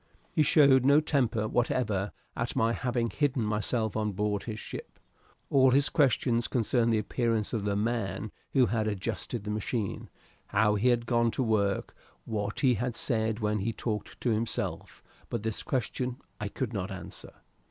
He showed no temper whatever at my having hidden myself on board his ship. All his questions concerned the appearance of the man who had adjusted the machine, how he had gone to work, what he had said when he talked to himself but this question I could not answer.